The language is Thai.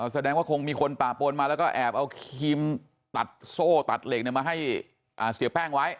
แสดงว่าคงมีคนป่าปนมาแล้วก็แอบเอาครีมตัดโซ่ตัดเหล็กมาให้เสียแป้งไว้